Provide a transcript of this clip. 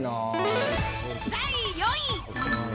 第４位。